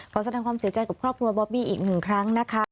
ขอแสดงความเสียใจกับครอบครัวบอบบี้อีกหนึ่งครั้งนะคะ